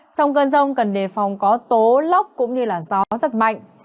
trong cơn rông cần đề phòng có tố lốc cũng như gió rất mạnh